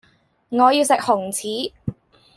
我要食紅柿